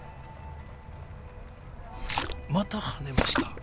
また跳ねました！